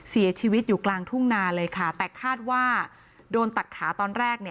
เสียชีวิตอยู่กลางทุ่งนาเลยค่ะแต่คาดว่าโดนตัดขาตอนแรก